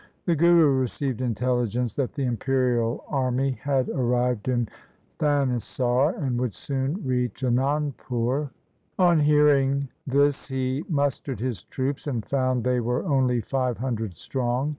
The Guru received intelligence that the imperial army had arrived in Thanesar, and would soon reach Anandpur. On hearing this he mustered his troops, and found they were only five hundred strong.